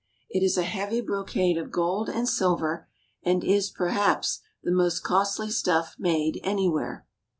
It is a heavy brocade of gold and silver, and is, perhaps, the most costly stuff made any where.